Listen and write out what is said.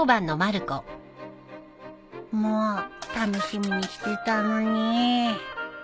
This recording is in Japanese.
もう楽しみにしてたのに